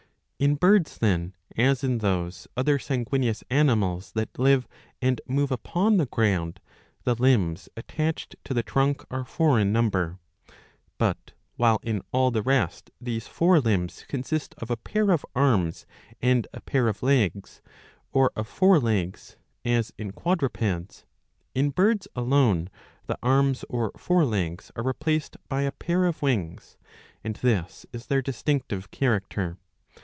In birds, then, as in those other sanguineous animals that live and move upon the ground,^^ the limbs attached to the trunk are four in number. But, while in all the rest these four limbs consist of a pair of arms and a pair of legs, or of four legs as in quadrupeds, in birds alone the arms or fore legs are replaced by a pair of wings, and this is their distinctive character.